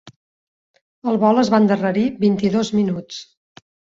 El vol es va endarrerir vint-i-dos minuts.